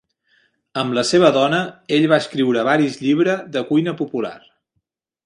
Amb la seva dona, ell va escriure varis llibre de cuina popular.